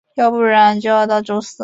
要不然就要到周四